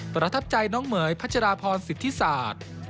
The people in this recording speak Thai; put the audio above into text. ประทับใจน้องเหม๋ยพัชราพรสิทธิศาสตร์